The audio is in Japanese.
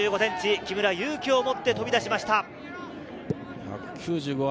・木村、勇気をもって飛び出しました。